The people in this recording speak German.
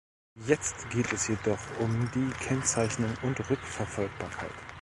Jetzt geht es jedoch um die Kennzeichnung und Rückverfolgbarkeit.